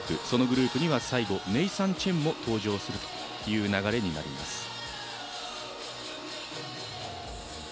そのグループには最後ネイサン・チェンも登場する流れになります。